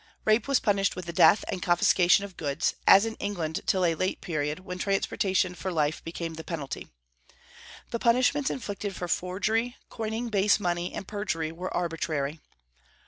Rape was punished with death and confiscation of goods, as in England till a late period, when transportation for life became the penalty. The punishments inflicted for forgery, coining base money, and perjury were arbitrary.